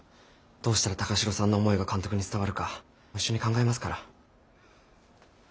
どうしたら高城さんの思いが監督に伝わるか一緒に考えますから。